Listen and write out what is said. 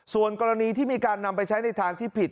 ส่วนกรณีที่มีการนำไปใช้ในทางที่ผิด